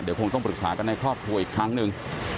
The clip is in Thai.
เดี๋ยวคงต้องปรึกษากันในครอบครัวอีกครั้งหนึ่ง